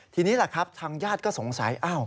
ทีนี้แหละครับทางญาติก็สงสัย